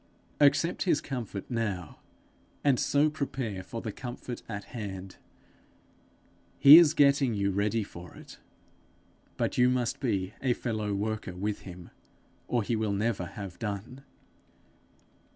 Accept his comfort now, and so prepare for the comfort at hand. He is getting you ready for it, but you must be a fellow worker with him, or he will never have done.